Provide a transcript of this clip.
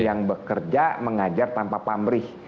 yang bekerja mengajar tanpa pamrih